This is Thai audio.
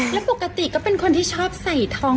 แล้วปกติก็เป็นคนที่ชอบใส่ทอง